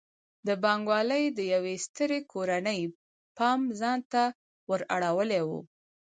د بانک والۍ د یوې سترې کورنۍ پام ځان ته ور اړولی و.